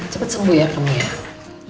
mirna cepet sembuh ya kamu ya